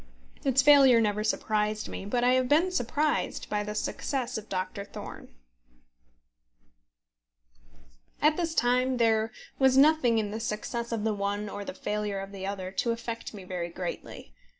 Its failure never surprised me; but I have been surprised by the success of Doctor Thorne. At this time there was nothing in the success of the one or the failure of the other to affect me very greatly.